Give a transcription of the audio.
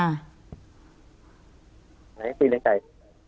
ไหนปีเล่นไกล